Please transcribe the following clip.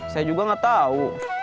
saya juga gak tau